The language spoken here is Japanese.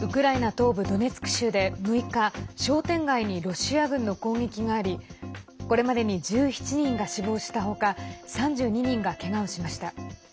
東部ドネツク州で６日商店街にロシア軍の攻撃がありこれまでに１７人が死亡した他３２人が、けがをしました。